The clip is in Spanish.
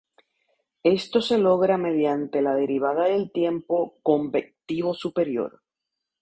Esto se logra mediante la derivada del tiempo convectivo superior.